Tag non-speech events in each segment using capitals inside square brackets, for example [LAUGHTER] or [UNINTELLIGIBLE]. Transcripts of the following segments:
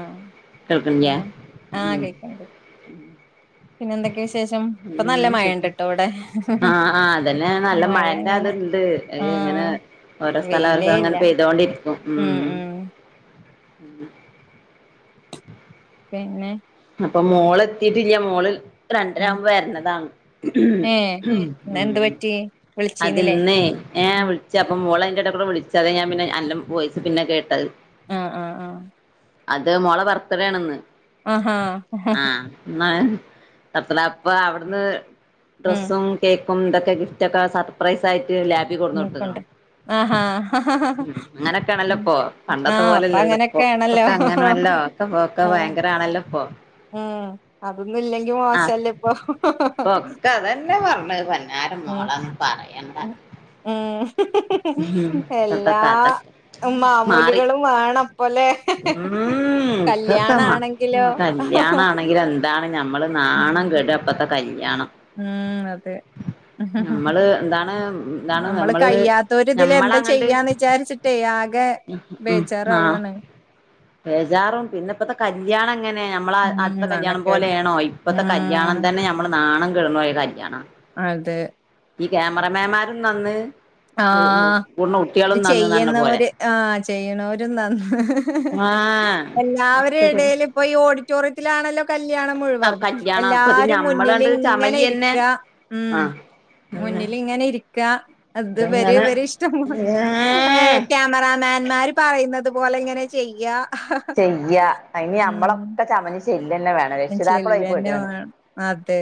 ആഹ് കേൾക്കണില്ലേ പിന്നെ ആഹ് ഉം കേക്കണ്ട് പിന്നെ എന്തൊക്കെയ വിശേഷം ഇപ്പൊ നല്ല ഉം മഴ ഇണ്ട് സുഖം ട്ടോ ഇവിടെ ആഹ് ആഹ് അതന്നെ നല്ല മഴ മഴന്റെ ഇങ്ങനെ അത് അതുണ്ട് ഇങ്ങനെ ആഹ് ഓരോ സ്ഥലം വെയിലേ ഇല്ല അങ്ങനെ പെയ്തോണ്ടിരിക്കും ഉം ഉം പിന്നെ അപ്പൊ മോൾ എത്തിട്ടില്ല മോളിൽ ഉം രണ്ടരവുമ്പോ വരുന്നതാണ് ഏഹ് ഇന്ന് എന്ത് ഉം പറ്റി വിളിച്ചീന്നില്ലേ അതിന്നെ ഏഹ് ഉം വിളിച്ചപ്പം മോളതിന്റെടെ കൂടെ വിളിച്ചത ഞാൻ പിന്നെ എല്ലാം വോയിസ് പിന്നെ കേട്ടത് ആഹ് ആഹ് ആഹ് അത് മോളെ ബെർത്ത്ഡേ ആണിന്ന് ആഹാ ആഹ് ഇന്ന അപ്പൊ അവിടുന്ന് ഉം ഡ്രസ്സും കേക്കും ഇതൊക്കെ ഗിഫ്റ്റ് ഒക്കെ സർ പ്രൈസ് ആയിട്ട് ലാബി കൊടുന്ന് മൂപ്പണ്ട് കൊടുത്ക്ക്‌ണ് ആഹാ അങ്ങനൊക്കെയാണല്ലോ ഉം ഇപ്പൊ പണ്ടത്തെ ആഹ് അപ്പൊ പോലെല്ലല്ലോ അങ്ങനെയൊക്കെയാണല്ലോ ഇപ്പൊക്കെ അങ്ങനെ എല്ലാം ഓക്കെ പോക്കെ ഉം ഭയങ്കര ആണല്ലോ ഇപ്പൊ ഉം അതൊന്നും ഇല്ലെങ്കി ആ മോശല്ലേ ഇപ്പൊ ഇപ്പൊക്ക അതന്നെ പറഞ്ഞത് പഞ്ഞാരം ഉം മോളെ അതൊന്നും പറയണ്ട ഉം ഉം ഉം ഇപ്പത്തെ എല്ലാ കഥക്കെ മാറി മാമൂലുകളും വേണം പോലെ ഉം ഇപ്പത്തെ മ കല്യാണാണെങ്കിലോ കല്യാണണെങ്കിലും എന്താണ് നമ്മള് ഉം നാണം കെടും ഇപ്പത്തെ കല്യാണ ഉം അതെ ഹ് ഹ് ഹ് നമ്മള് എന്താണ് എന്താണ് നമ്മള് കഴിയാത്തോര് ഇതിൽ എന്താ ഞമ്മളങ്ങണ്ട് ചെയ്യാന്ന് വിചാരിച്ചിട്ടേ ആകെ ഉം ആഹ് ബേജാറാവുവാണ് ബേജാറും പിന്നെ ഇപ്പത്തെ കല്യാണം എങ്ങനെയാ നമ്മള ഉം ആദ്യത്തെ കല്യാണം നാണക്കേട് പോലെയാണോ ഇപ്പത്തെ ഉം കല്യാണം തന്നെ നമ്മൾ നാണംം കെടുന്ന പോയ കല്യണം അതെ ഈ ക്യാമറമാൻമാരും നന്ന് ആഹ കൂടുന്ന ഇത് കുട്ടികളും നന്ന് പറഞ്ഞ പോലെ ചെയ്യുന്നവര് ആഹ ചെയ്യുണോരും നന്ന് ആഹ് എല്ലാവരുും ഒക്കൊരു ഇടയിൽ ഇപ്പൊ ഈ ഓഡിറ്റോറിയത്തിലാണല്ലോ കല്ല്യാണം മുഴുവം കല്യാണം അപ്പ ഇത് എല്ലാരും മുന്നിൽ ഞമ്മളണ്ട് ഇങ്ങനെ ചമയന്നെ ഇരിക്ക ഉം ആഹ് അന്നെ മുന്നിൽ ഇങ്ങനെ ഇരി ക്ക അത് വരി ഇതങ്ങനെ വരിഷ്ടം പോ ക്യാമറാമാൻമാര് പറയുന്നത് പോലെ ഇങ്ങനെ ചെയ്യ ചെയ്യ അയ്ൻ നമ്മളൊക്കെ ചമഞ്ഞ് ന്നെ വേണം രക്ഷിതാക്കളും അതിൽ ചെല്ലന്നെ പെടാണ് വേണം. അതെ.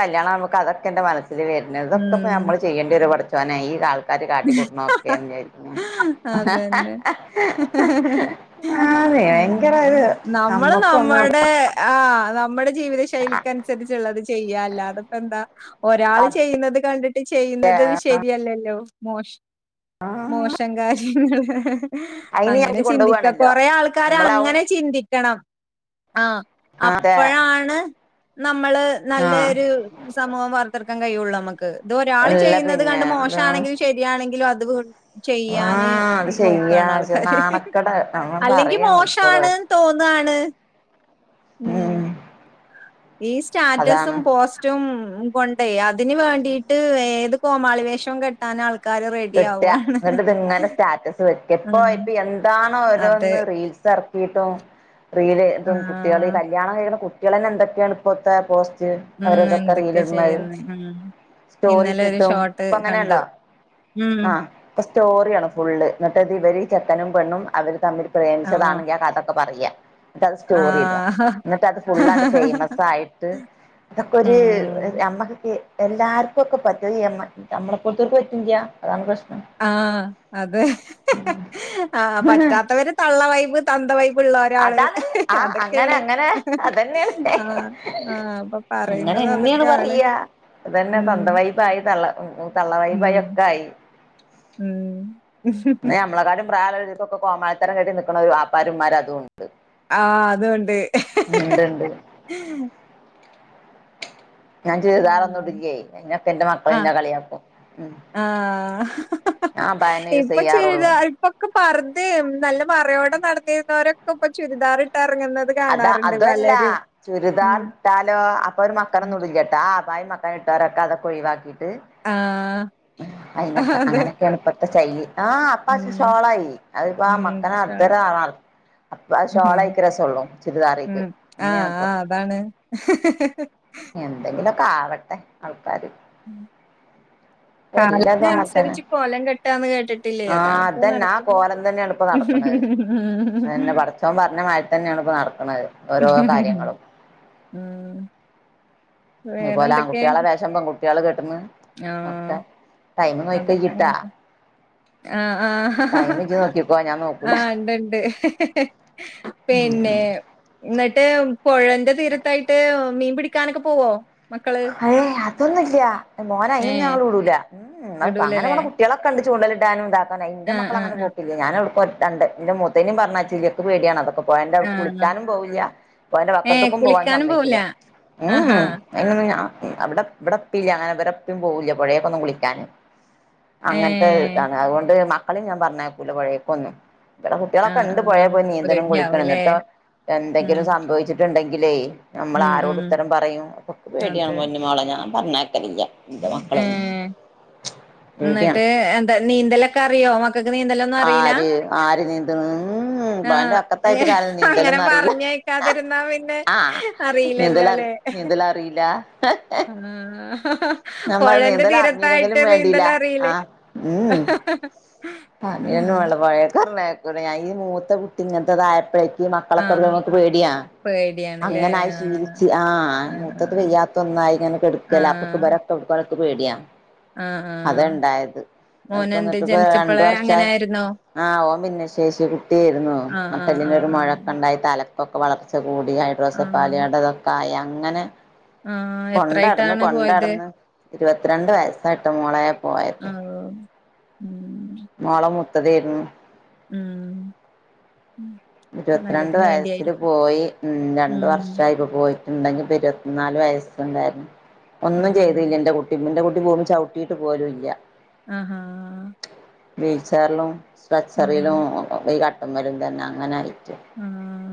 കല്യാണം നമുക്ക് അതൊക്കെ എന്റെ മനസ്സിൽ വരുന്ന ഇതൊക്കെ പ്പൊ ഉം. നമ്മള് ചെയ്യേണ്ടി വരോ പടച്ചോനെ ഈ ആൾ കാര് കാട്ടിക്കൂട്ടണ ഒക്കെ ന്ന് വിചാരിക്കുന്നു ഹ് നമ്മള് നമ്മക്കൊന്ന് നമ്മൾടെ ആ ആ നമ്മുടെ ജീവിത ശൈലിക്ക് അനുസരിച്ചുള്ളത് ചെയ്യാല്ല അല്ലാതെ പ്പ എന്താ ഒരാൾ ചെയ്യുന്നത് കണ്ടിട്ട് ചെയ്യുന്നത് ശരിയല്ലല്ലോ മോശം മോശം കാര്യങ്ങൾ അയിന് അങ്ങനെ വിചാരിച്ച് ചിന്തിക്ക കൊണ്ടുപോവാണല്ലോ കൊറേ ആൾക്കാരെ നമ്മളാവും അങ്ങനെ ചിന്തിക്കണം ആ അപ്പ അതെ ഴാണ് നമ്മള് ആഹ് നല്ലൊരു സമൂഹം വാർത്തെടുക്കാൻ കഴിയുള്ളൂ നമ്മക്ക് ഇത് ഒരാൾ അല്ല ചെയ്യുന്നത് പിന്നെ കണ്ട് എന്താ മോശം ആണെങ്കിൽ ശേ ആണെങ്കിലു അത് വി ചെയ്യാന് ആഹ് അത് ശരിയാ നോക്കാണ് ആൾക്കാര് നാണക്കട നമ്മ അല്ലെങ്കി പറയാണ് ഇപ്പളും മോശാണ് തോന്നാണ് ഉം ഈ സ്റ്റാറ്റസും അതാണ് പോസ്റ്റും കൊണ്ടേ അതിന് വേണ്ടീട്ട് ഏത് കോമാളിവേഷം കെട്ടാൻ ആൾക്ക കിട്ട എന്നിട്ട ഇത്ങ്ങനെ സ്റ്റാറ്റസ് വക്ക ഇപ്പ ഉം. ഇപ്പ എന്താ അതെ ഓരോന്ന് റീൽസ് ഇറക്കിയിട്ടും ആ. റീലെയ്തും കുട്ട്യേൾ കല്യാണം കഴിയ കു ളന്നെ എന്തൊക്കെയാണ് ഇപ്പോത്തെ പോസ്റ്റ് ഉം. അവരതൊക്കെ എന്തൊക്കെ റീലിടുന്നെ ചെയ്യുന്നേ ഉം. ഇന്നലെ ഒരു സ്റ്റോറിട്ടിട്ടും ഷോട്ട് ഇപ്പ കണ്ടു അങ്ങനെയാണല്ലോ ഉം. ആ ഇപ്പൊ സ്റ്റോറിയാണ് ഫുള്ള് എന്നിട്ടേത് ഇവര് ചെക്കനും പെണ്ണും അവര് തമ്മിൽ പ്രേമിച്ചതാണെങ്കിൽ ആ കഥ ഒക്കെ പറയാ എന്നിട്ട്ത് ആ സ്റ്റോറി ട എന്നിട്ട് അത് ഫുുള്ളായിട്ട് ഫേമസ് ആയിട്ട് അതൊക്കെ ഒരു ഉം. നമ്മക് [UNINTELLIGIBLE] എല്ലാർക്കും ഒക്കെ പറ്റും യമ്മ നമ്മളെപ്പോലോത്തോർക് പറ്റില്ല്യാ അതാണ് പ്രശ്നം ആഹ അതെ ആ പറ്റാത്തവര് തള്ളവൈ്ബ് തന്തവൈബ് ള്ള ഒരാള് അതാണ് [UNINTELLIGIBLE] ആ അങ്ങനെ അതൊക്കെയാണ് അങ്ങനെ [UNINTELLIGIBLE] അതന്നെയാണ് ആ ആ അപ്പൊ പറയുന്ന അങ്ങനെ അത് എന്നെയാണ് അതൊക്കെയാണ് പറയാ അതന്നെ ഉം തവന്തവൈബായി തള്ള ഉ തള്ളവൈബായി ഉം ഒക്കെ ആയി ഉം ന നമ്മളെക്കാട്ടിം പ്രായള്ള ഇപ്പക്കെ കോമാലിത്തരം കെട്ടി നിൽക്കുന്ന ഒരു പാപ്പരും ഇമ്മാരും അതുംണ്ട് ണ്ട് ആഹ് അതുണ്ട് ഉണ്ട്ണ്ട് ഞാൻ ചുരിദാറൊന്നും ഇടില്ലേ അയിനൊക്കെ എന്റെ മക്കൾ ഇന്നകളിയാക്കും ആഹ [UNINTELLIGIBLE] അബായന്നെ യൂസ് ഇപ്പൊ ചെയ്യാറുള്ളൂ ചുരിദാ ഇപ്പൊക്കെ പാർദിമ് നല്ല മറയോട നട ക്കെ ഇപ്പ ചുരിദാർ ഇറ്റണ്ട് അതാ അതല്ല ഉം ചുരിദാർ ഇട്ടാലോ അപ്പൊ ഒരു മക്കളന്ന നും ട്ല്ലട്ടെ ബായിമ് മക്കാ ഇട്ടാരൊക്കെ അതൊക്കെ ഒഴിവാക്കിട്ട് ആഹ് അതിനൊക്കെ അതെ അങ്ങനൊക്കെ എളുപ്പ ആഹ് അപ്പാശ ഉം സോളായി അതിപ്പോ ഉം മക്കന ഇൻഷാഅള്ളാ അദ്ര അപ്പ ശഷോള ഉം കയിക്ക് രാസള്ളൂ ഉം ആ അ അതാണ് എന്തെങ്കിലുമൊക്കെ ആവട്ടെ ആൾക്കാര് ഇപ്പ [INAUDIBLE] എല്ലാതും അങ്ങനെ തന്നെ കാലനനുസരിച്ച് കോലം കെട്ടാന്ന് കേട്ടിട്ടില്ലേ ആ അതാാണ്പ്പോ അതന്നെ ആ നടക്കുന്നത് കോലം തന്നെയാണ് ഇപ്പോ നടക്കണത് അതന്നെ ഉം പഠചോൻ പറഞ്ഞമതിതന്നെണ് ഇപ്പ നടത്ത ക്ക്നത് ഓരോ കാര്യങ്ങളും ഇതുപോലെ വേറെന്തൊക്കെ? ആൺകുട്ടികളെ വേഷം പെൺകുട്ടികള് കെട്ടുന്നു ആഹ് ഒക്കെ [UNINTELLIGIBLE] ഇച്ച് ട്ടാ ആആ ഹഹ ഞാൻ ആ നോക്കൂല ഇണ്ട്ണ്ട് ഉം പിന്നെ നെ ട്ട് പുഴന്റെ തീരത്തായിട്ട് മീൻ പിടിക്കാനൊക്കെ പോവോ മക്കള്? ഏ അതൊന്നു ഇല്ല മോനെ അയിനൊന്നും ഏഹ് ഞങ്ങൾ വിടൂല ഉ ഹ് അഹ് പ്പ അങ്ങനെ വിടൂലല്ലേ വിടുന്ന കുട്ടികളൊക്കെ ഉണ്ട് ചൂണ്ടലിട്ടാനും ഇതാക്കാൻ അയിന്റെ ആഹ് മക്കൾ ആഹ് അങ്ങനെ പോക്കില്ല ഞാനവ്ട്ക്കും ഒറ്റ ഇണ്ട്ന്റെ മൂത്തേന പറഞ്ഞാ ചീരിക്ക് പടിയാണ് അൊക്കെ പോയറെ അവിടുക്ക് ആഹ് ആഹ് വിളിക്കാനും പോവില്ല പോ എന്റെ ഏഹ് പക്കത്തക്കും പോവാൻ കുളിക്കാനും പോവൂല സമ്മമക്കില്ല ആഹാ ഉ വിടെ ഇവിടെപ്പ ഇല്ല അങ്ങനെ ഇടെപ്പം പോകില്ല പുഴയൊക്ക ഒന്ന്ും വിളിക്കാൻ അങ്ങനത്തെ ഏഹ് ഇതാണ് അതുകൊണ്ട് മക്കളും ഞാൻ പറഞ്ഞക്കൂല പുഴേക്കൊന്നും ഇവിടെ കുട്ടികളെെ ആഹ് കണ്ടു പോയ ആഹ് പോയി നീന്തണം കുളിക്കണം പേടിയാവുല്ലേ എന്നിട്ട് ഉം എന്തെങ്കിലും സംഭവിച്ചിട്ടുണ്ടെങ്കിലേ നമ്മള ഉം ആരോട് ഉം ഉത്തരം പറയും അൊക്ക് പേടിയാണ് അതെ മഞ്ഞിമാളെ ഞാൻ പറഞ്ഞാക്കലില്ല ഇ മക്കളെ ഉ എന്നിട്ട് എന്താ നീന്തലൊക്കെ അറിയോ മക്കൾക്ക് നീന്തലൊന്നും അറിയില്ല ആര് ആര് നീന്തണ് ഉം ഓന്റെ ആഹ് വക്കത്തായിട്ട് കാലം അങ്ങനെ നീന്തലൊന്നും അറിയില്ല പറഞ്ഞക്കാതിരുന്നാ പിന്നെ അറിയില്ലല്ലോ അല്ലെ നീന്തല അറിയില്ല ആഹ ഞാൻ പറ നീന്തല അറിഞ്ഞിരങ്കിലും വേണ്ടല്ല ആ നീന്തലറിയില്ലേ ഉ ഉം പറഞ്ഞ ഈ മൂത്തെ കുട്ടി ഇങ്ങനത്തൊയഴ ഈ ആഹ് മക്കളെക്കങ്ങക്ക് പേടിയാ പേടിയാണ്ല്ലേ അങ്ങനായി ആഹ് ശീലിച്ച് ആ ആഹ് മൂത്ത പെയ്യാത്ത ഒന്നായി ഇങ്ങനെ കെടുക്കല അപ്പൊബ ആഹ് കൊക്ക് പേടിയാ ആഹ് ആഹ് അത ഇണ്ടായത് പ്പ മോനെന്ത് എന്നിട്ട് ഇപ്പോ രണ്ട ജനിച്ചപ്പളേ വർഷമായി അങ്ങനായിരുന്നോ ആ ഓം പിന്ന ശേഷി കുട്ടിയായിരുന്നു ആഹ് ആഹ് മട്ടലിിന ഒരു ആഹ് ആഹ് മുഴക്കെ ഉണ്ടായി തല ഇപ്പൊക്കെ വളർച്ച കൂടി ആഹ് ഹൈഡ്രോസപ്പാലാണ്ടതൊക്കെ ആയി അങ്ങനെ ആഹ് കൊണ്ടാടന്ന് എത്രായിട്ടാണ് പോയത് കൊണ്ടാടന്ന് ഇരുപത്തിരണ്ട് വയസ്സായിട്ട് മോളായ പോയത് ആഹ് ഉം തെരുന്നു ഉം ഉം. ഇരുവത്രരണ്ട് നല്ലതിന് വേണ്ടിയായിരി വയസ്സില്പോയി ഉം ഉം രണ്ടവർഷായിപ്പോ പോയി ഉണ്ടെങ്കി ഇരുപത്തിനാല് വയസുണ്ടായിരുന്നു ആഹാ ഒന്നുംചെയ്തില്ലന്റെകുട്ടി പ്പോന്റെ കുട്ട [UNINTELLIGIBLE] ചവിട്ടിയിട്ട് പോലുംല്ല അ ഹാ വീൽച്ചയർലും സ്ട്രെച്ചറിലും [UNINTELLIGIBLE] അങ്ങനായി ആം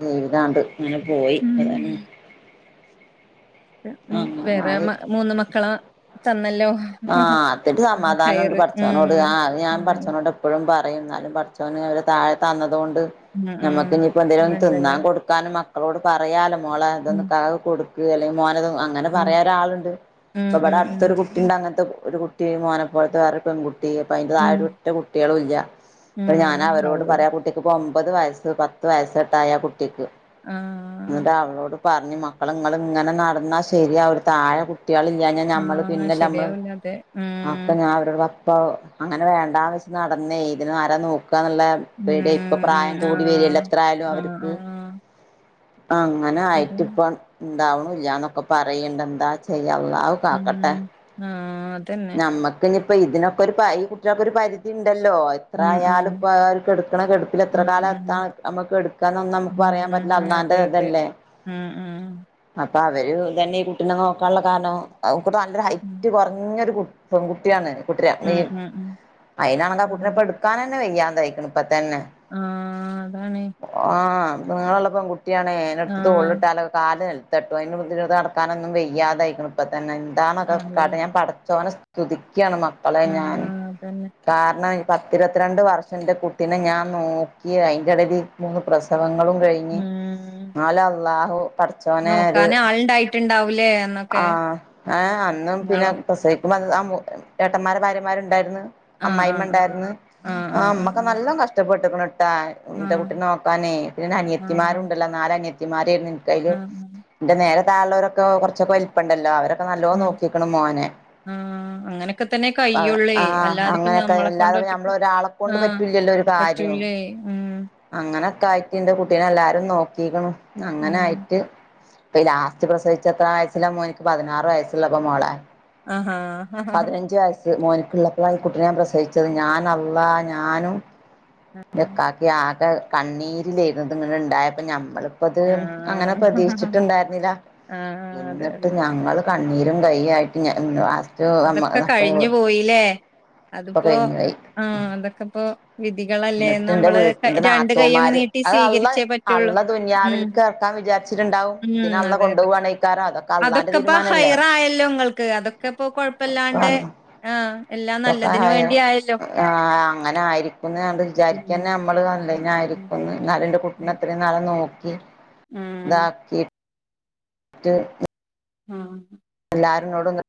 ജീവിതാണ്ട് ഇങ്ങനെപോയി ഉം അതന്നെ ഉ ഉം ആയി വേറെമൂന്ന് മക്കള ആഹ് അതൊരുസമാധാനംണ്ട് ഹയറ് ഉം പടച്ചോനോട് ആ അത്ഞാൻ അതന്നെ പടച്ചോനോട്എപ്പോഴും പറ പറയുംന്നാലും പടച്ചോന് [UNINTELLIGIBLE] തന്നതൊണ്ട് ഉം ഉം നമ്മക്ക്ഞ്ഞിപ്പോന്തെലും തിന്നാൻ അതുണ്ടല്ലോ കൊടുക്കാനും മക്ക മക്കളോട് പറയാലോമോളെതൊന്ന് ഉം [UNINTELLIGIBLE] കൊട്ക്ക് അല്ലെങ്കിൽമോനെ ഉം അങ്ങനെപറയാരാളുണ്ട് ഉം ഇപ്പൊവിടെ ഉം ഉം അടുത്തൊരു കുട്ട അങ്ങനത്തെ ഒരു കുട്ടി മോനപൊൽത്തെവേറൊരു പെൺകുട്ടി അപ്പൊതിന്റെതായെ ഉം ഒരുറ്റ കുട്ടിയളുല്ല ഇപ്പൊ ഉം ഔ ഞാനാവരോട് പറയാ അകുട്ടിക്ക്പ്പൊ ഒമ്പത് വയസ്സ് പത്ത് വയസ്സോട്ടായാ കുട്ട ആഹ് [UNINTELLIGIBLE] പറഞ്ഞുമക്കളെ ഇങ്ങള്ങ്ങനെ നടന്നാശരിയാവുരു താഴെകുട്ടിയാളില്ലാഞ്ഞാലമ്മള് ആഹ് പിന്നെല്ലമള്ള് ശരിയാവില്ല അതെ ഉം [UNINTELLIGIBLE] ഞാനാവരുടെ ഇപ്പൊ അങ്ങനെവേണ്ടാന്ന് വെച്ച്നടന്നേയ് ഇതിനവരനോക്ക ക്കാന്നുള്ള ഉം പേടിയിപ്പൊപ്രായം ഉം ആഹ് ആഹ് കൂടിവരില്ലെത്രായാലുവർക്ക് ആഹ് അങ്ങനെ ശരിയാണ് ആയിട്ട്പ്പൊണ്ടാവുണല്ലന്നൊക്കെ പറയ്ണ്ട് എന്താചെയ്യഅള്ളാവുകാക്കട്ടെ ആഹ അതന്നെ [UNINTELLIGIBLE] ഇതിനൊക്കൊരു [UNINTELLIGIBLE] ഈകുട്ടിയാൾക്കൊരു പരിധിൻ [UNINTELLIGIBLE] ഉം ഉം എത്രയാലുംപ്പൊ അ കേടുക്കണ ഉം കെടുപ്പിലത്രെകാലത്താമ്മക്ക് എടുക്കാനൊന്നും ഉം നമുക്ക്പറയാ പറ്റ്ല്ല ഉം അതെ അതെ അള്ളാന്റെതല്ലേ? ഉം ഉം അപ്പൊ അവര് തന്നെ ഈ കുട്ടിനെ നോക്കാൻള്ള കാരണം [UNINTELLIGIBLE] നല്ല ഹൈ ഉം പെൺകുട്ടിയാണ് കുട്ടിനെ ഉം ഈ ഉം ഉം അയിനാണെങ്ക കുട്ടിനെപ്പ ഇട്ക്കാനെന്നെ വെയ്യാതായിക്ക്ണ് ഇ തന്നെ ആഹ് അതാണ് ഒ ആ നീളള്ള പെൺകുട്ടിയാണെ അയ്നെട്ത്ത് ആഹ് തോൾള്ട്ടാലൊ കാല് നെൽ [UNINTELLIGIBLE] നടക്കാനൊന്നും വയ്യാതായിക്ക്ണ് ഇപ്പതന്നെ അതെ എന്തണൊക്കെകാട്ടെ ഞാൻപടച്ചോനെ സ് തുതിക്കാണ് മക്കളെ ആഹ് ഞാൻ അതന്നെ കാരണേ പത്തിരുവത്രണ്ട് വർഷം ന്റെ കുട്ടീനെ ഞാൻ നോക്കി അതിന്റെടയിൽ ഈ മൂന്ന്പ്രസവങ്ങ ങ്ങളും കഴിഞ്ഞ് ഉം ന്നാല് അള്ളാഹു പഠച്ചോനേ ഒര് നോക്കാന് ആളുണ്ടായിട്ടുണ്ടാവൂലേ അന്നൊക്കെ ആഹ് ഏ അന്നും പിന്നെ നിങ്ങളോ പ്രെസവിക്കുമ്പന്ന് അ മു ഏട്ടന്മാരെ ഭാര്യമാരുണ്ടായിര്ന്ന് ആഹ് അമ്മായിമ്മ ആഹ് ആഹ് ഇണ്ടായിര്ന്ന് ആഹ് ആ ഇമ്മക്കെ ആഹ് നല്ലോം കഷ്ടപ്പെട്ട്ക്ക്ണ് ട്ടൊ ഇന്റെകുട്ടിനെ നോക്കാനെയ് പിന്നെ ആഹ് ആഹ് ആഹ് അനിയത്തിമാരുണ്ടല്ലോ നാലനിയത്തി ത്തിമാരേനിക്കയ്ല് ആഹ് ന്റെ നേരെ താഴുള്ളവരൊക്കെ കൊർച്ചൊക്കെ വൽപ്പണ്ടല്ലോ അവരൊക്കെ നല്ലോം ആഹ് നോക്കി മോനെ ആഹ് അങ്ങനൊക്കെ തന്നെ അതെ കയ്യുള്ളേ ആഹ് അല്ലാതിപ്പോ അങ്ങനൊക്കായി ഞമ്മളെ കൊണ്ട് അല്ലാതെ പിന്നെ ഒറ്റക്ക് നമ്മളൊരാളെ കൊണ്ട് ആഹ് പറ്റൂലല്ലോ ഇ ഒരു കാര്യും പറ്റൂലേ ഉം അങ്ങ അങ്ങനൊക്കായിട്ട് ന്റെ കുട്ടീനെല്ലാരും നോക്കിക്ക്ണു ഉം അങ്ങനായിട്ട് ഇപ്പ ഈ ലാസ്റ്റ് പ്രസവിച്ചെത്രാം വയസ്സിലാമോനിക്ക് പതിനാറ് വയസ്സുള്ളപ്പോ മോളെ ആ ഹാ മോനിക്ക്ള്ളപ്പളായികുട്ടിനെ ഞാൻ പ്രസലിച്ചത് ഞാനള്ളാ ഞാനും ഇതൊക്കാക്കി ആകെ കണ്ണീരിലേയ്ന്നു ഇത്ങ്ങനെണ്ടായപ്പോ ഞമ്മള് അപ്പത് അങ്ങനെ ആഹ് പ്രതീക്ഷിച്ചിട്ടുണ്ടായിരുന്നില്ല അതെ ഇന്നിട്ട് അതെ ഞങ്ങള് ക നീരും കൈയ്യായിട്ട് ഞാൻ ഇ ഹസ് അതൊക്കെ കഴിഞ്ഞുപോയില്ലേ അതിപ്പോ ആഹ് അതൊക്കെപ്പൊ ന്നിട്ട് ന്റെ വീട്ടില് കൈയ്യങ്ങ് നാത്തൂമാര് നീട്ടി അത്ഴഅള്ളാ സ്വീകരിച്ചേ പറ്റുള്ളൂ ഉം അള്ളാദുനയാവിൽക്ക് കണ വിചരിച്ചിട്ടുണ്ടാവും പിന്നെ അള്ളാ കൊണ്ടോവാണെയ്ക്കാരം അതൊ അതൊക്കെ ഇപ്പൊ ഹൈറായല്ലോ ഇങ്ങൾക്ക് അതൊക്കെ ഇപ്പോ ഇപ്പൊ കൊഴപ്പില്ലാണ്ടെ അള്ള ആഹ് എല്ലാം നല്ലതിന് വേണ്ടിയായി ആ അങ്ങനെ ആയിരിക്കും ന്നാണ്ട് വിചാരിക്കന്നെ ഉം മ്മള് ഉം നല്ലെയിനായിരിക്കും ന്നാല് ന്റെ ഉം കുട്ടിനിത്രയും നാള് നോക്കി ആഹ് ഇതാക്കി റ്റ് ആ ഹ ട്ടാരുന്നോടൊന്ന്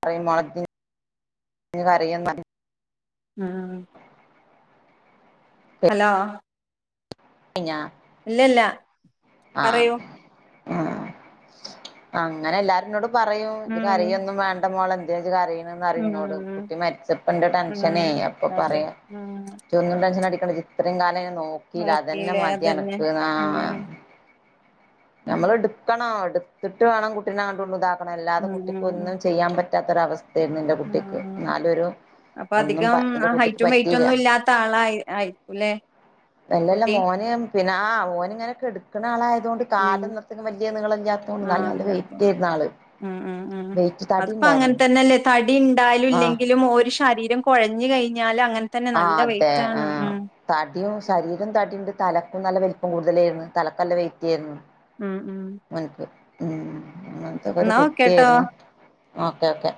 കരയും മോളെ [UNINTELLIGIBLE] [UNINTELLIGIBLE] ഉം ഹലോ പിഞ ഇല്ലല്ല പറയൂ ആ അങ്ങനെ എല്ലാരും ഇന്നോട് പറയും ഇജ് ഉം കരയൊന്നും വേണ്ട മോളെ ത് നാജ് കരയ്ണെ ഉം ന്നറിന്നോട് കുട്ടി മരിച്ചപ്പന്റെ ടെൻഷനേ ഉം അപ്പൊ അതെ പറയാ ഉം ജൊന്നും ടെൻഷനടി ജി ഇത്രിം കാലം അയ്നെ നോക്കിലെ അതെന്നെ നോക്കിയില്ലേ മതി അതന്നെ അനക്ക്ന്ന് ആ ഉം ഉം നമ്മള്ട്ക്കണം ഇട്ത്തിട്ട് വേണം കുട്ടീനെ അങ്ങട്ടുങ്ങട്ടും ഇതാക്കണം അല്ലാതെ കുട്ടിക്കൊന്നും ചെയ്യാൻ പ റ്റാത്തൊരവസ്ഥായിരുന്നു ന്റെ കുട്ടിക്ക് ന്നാലൊരു അപ്പ അധികം ഹൈറ്റും വെയ്റ്റും ഒന്നും ഇല്ലാത്ത ആളായി ആയിരിക്കുലേ അല്ലല്ല മോന് പിന്നെ ആ ഓനിങ്ങനെ കെട്ക്ക്ണെ ആളായതൊ കൊണ്ട് ഉം കാല്നിർത്തിന്‌ വല്യ നിളല്ലാത്തൊണ്ട് ആഹ് ന്നാലുംനല്ല വെയ്റ്റ് ഇല്ലാത്തോണ്ട് ഏര്ന്നു ആള് ഉം ഉം ഉം വെയിറ്റ് തടി അതിപ്പോ അങ്ങനെ ഉണ്ടായിരുന്നു തന്നെല്ലേ ത ടി ണ്ടായാലും ആ ഇല്ലെങ്കിലും ഓര് ശരീരം കൊഴഞ്ഞ് കഴിഞ്ഞാലങ്ങൻ ആ അതെ ആ തടിം ശരീരം തടിണ്ട് തലക്കും നല്ല വലിപ്പം കൂടുതലെര്ന്നു തലക്ക് നല്ല വെയിറ്റ് ഏരുന്നു മ് മ് ഉം അങ്ങനത്തൊക്കെ ഒരു ഓക്കേട്ടോ കുട്ടിയാരുന്നു ഓക്കെ ഓക്കെ